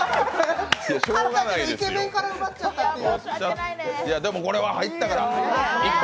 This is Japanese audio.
勝ったけどイケメンから奪っちゃったっていう。